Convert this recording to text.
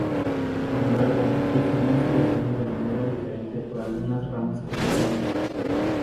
Sin embargo, el final se define de manera diferente por algunas ramas cristianas.